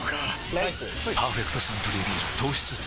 ライス「パーフェクトサントリービール糖質ゼロ」